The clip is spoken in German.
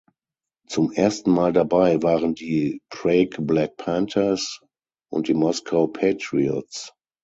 Zum ersten Mal dabei waren die Prague Black Panthers und die Moscow Patriots.